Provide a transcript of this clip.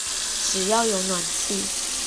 只要有暖氣